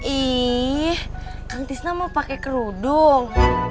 ih kang tisna mau pakai kerudung